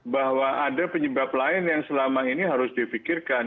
bahwa ada penyebab lain yang selama ini harus difikirkan